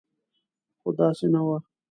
خو داسې نه وه.